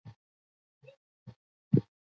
خلکو په راکړه ورکړه کې له دې فلزاتو ګټه واخیسته.